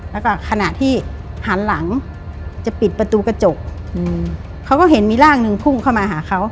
แล้วก็ขณะที่หันหลังจะปิดประตูกระจกเขาก็เห็นมีร่างหนึ่งพุ่งเข้ามาหาเขา